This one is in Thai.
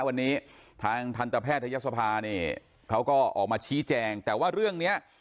วันนี้ทางทันตแพทยศภาเนี่ยเขาก็ออกมาชี้แจงแต่ว่าเรื่องเนี้ย